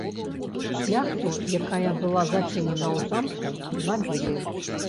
Шляхту, якая была зачыненая ў замку, забілі.